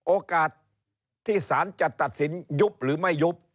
โอกาสที่สารจะตัดสินยุบหรือไม่ยุบ